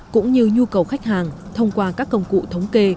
cũng như nhu cầu khách hàng thông qua các công cụ thống kê